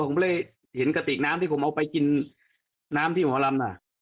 ผมเลยเห็นกระติกน้ำที่ผมเอาไปกินน้ำที่หมอลำน่ะ